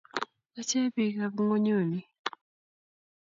Achek biikab ngonyuni